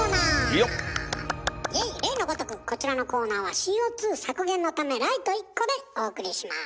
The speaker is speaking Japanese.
例のごとくこちらのコーナーはＣＯ削減のためライト１個でお送りします。